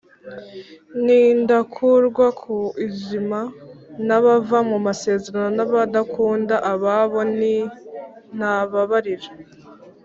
n’indakurwa ku izima, n’abava mu masezerano n’abadakunda ababo n’intababarira,